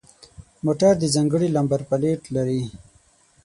موټر د ځانگړي نمبر پلیت لري.